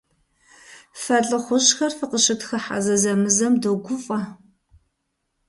Фэ лӀыхъужьхэр фыкъыщытхыхьэ зэзэмызэм догуфӀэ.